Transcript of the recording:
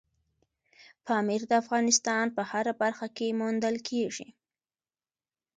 پامیر د افغانستان په هره برخه کې موندل کېږي.